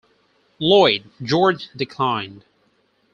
Lloyd George declined.